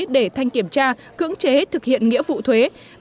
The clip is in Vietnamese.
để thanh kiểm tra cưỡng chế thực hiện nghiệp phát hành trái phiếu